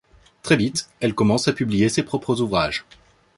Très vite, elle commence à publier ses propres ouvrages.